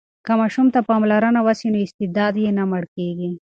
که ماشوم ته پاملرنه وسي نو استعداد یې نه مړ کېږي.